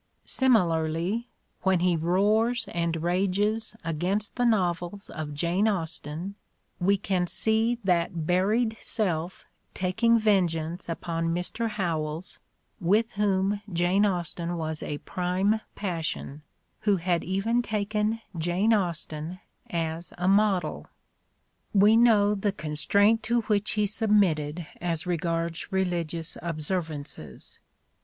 Similarly, when he roars and rages against the novels of Jane Austen we can see that buried self taking vengeance upon Mr. Howells, with whom Jane Austen was a prime passioUj who had even taken Jane Austen as a model. "We know the constraint to which he submitted as regards religious observances.